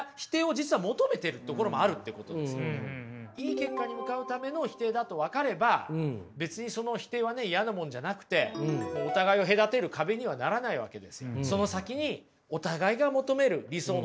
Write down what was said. いい結果に向かうための否定だと分かれば別にその否定はね嫌なものじゃなくてお互いを隔てる壁にはならないわけですよ。